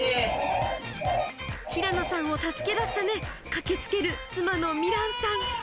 平野さんを助け出すため、駆けつける妻の美蘭さん。